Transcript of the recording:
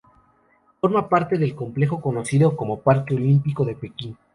Forma parte del complejo conocido como Parque Olímpico de Pekín.